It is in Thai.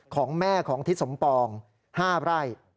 ของแม่ของทิศสมปอง๕ไร่